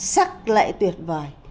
sắc lại tuyệt vời